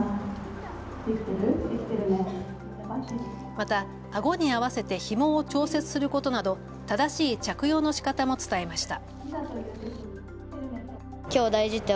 またあごに合わせてひもを調節することなど正しい着用のしかたも伝えました。